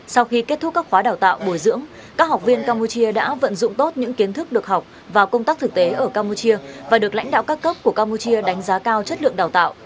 sau khi kết thúc các khóa đào tạo bồi dưỡng các học viên campuchia đã vận dụng tốt những kiến thức được học và công tác thực tế ở campuchia và được lãnh đạo các cấp của campuchia đánh giá cao chất lượng đào tạo